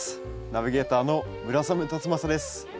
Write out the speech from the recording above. ナビゲーターの村雨辰剛です。